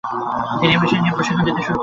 তিনি এই বিষয় নিয়ে প্রশিক্ষন দিতে শুরু করেন।